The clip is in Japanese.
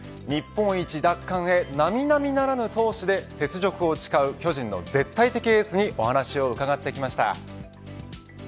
日本一奪還へ、並々ならぬ闘志で雪辱を誓う巨人の絶対的エースにお話を伺ってきました。